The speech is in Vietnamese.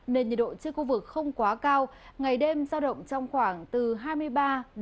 nền nhiệt độ trước khu vực không quá cao ngày đêm sao động trong khoảng từ hai mươi ba ba mươi ba độ